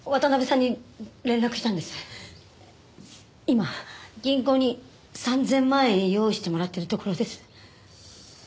今銀行に３０００万円を用意してもらっているところです。